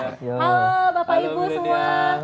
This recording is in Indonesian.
halo bapak ibu semua